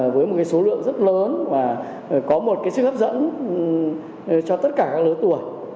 với một số lượng rất lớn và có một cái sự hấp dẫn cho tất cả các lứa tuổi